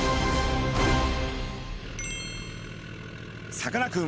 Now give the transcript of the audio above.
さかなクン